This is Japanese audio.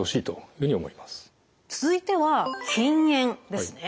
続いては「禁煙」ですね。